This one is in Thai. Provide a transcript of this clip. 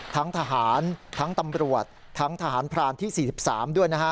ทั้งทหารทั้งตำรวจทั้งทหารพรานที่๔๓ด้วยนะฮะ